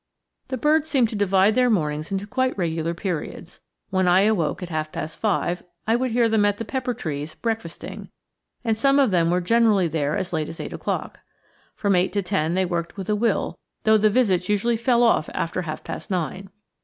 The birds seemed to divide their mornings into quite regular periods. When I awoke at half past five I would hear them at the pepper trees breakfasting; and some of them were generally there as late as eight o'clock. From eight to ten they worked with a will, though the visits usually fell off after half past nine.